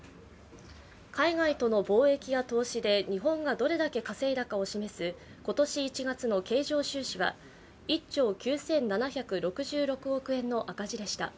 海外との貿易や投資で日本がどれだけ稼いだかを示す今年１月の経常収支は１兆９７６６億円の赤字でした。